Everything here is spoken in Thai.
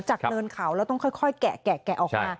เนินเขาแล้วต้องค่อยแกะออกมา